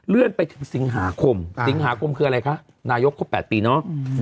ไปถึงสิงหาคมสิงหาคมคืออะไรคะนายกครบ๘ปีเนาะ